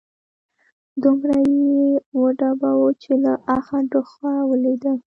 دومره يې وډباوه چې له اخه، ټوخه ولوېد